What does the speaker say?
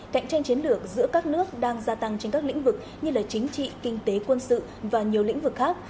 cạnh tranh chiến lược giữa các nước đang gia tăng trên các lĩnh vực như chính trị kinh tế quân sự và nhiều lĩnh vực khác